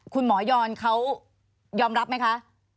คุณหมอยอนเขายอมรับไหมคะ